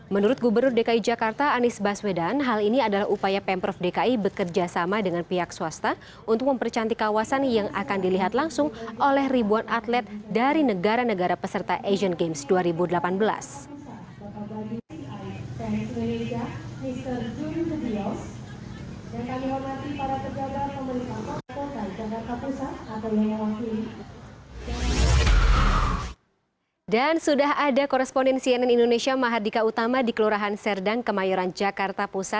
menurut gubernur dki jakarta anies baswedan hal ini adalah upaya pemprov dki bekerjasama dengan pihak swasta untuk mempercantik kawasan yang akan dilihat langsung oleh ribuan atlet dari negara negara peserta asian games dua ribu delapan belas